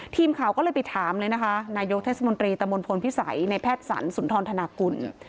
ทีมข่าวก็เลยไปถามเลยนะคะนายกเทศมนตรีตะมนต์พลพิสัยในแพทย์สรรสุนทรธนากุล